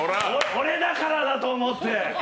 俺だからだと思って！